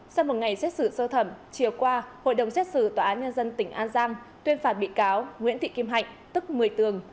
sau một ngày xét xử sơ thẩm chiều qua hội đồng xét xử tòa án nhân dân tỉnh an giang tuyên phạt bị cáo nguyễn thị kim hạnh tức một mươi tường